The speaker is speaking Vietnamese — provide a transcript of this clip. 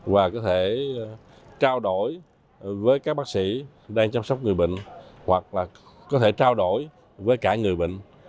và có thể trao đổi với các bác sĩ đang chăm sóc người bệnh hoặc là có thể trao đổi với cả người bệnh